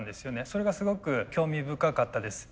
それがすごく興味深かったです。